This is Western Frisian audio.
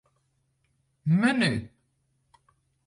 Menu.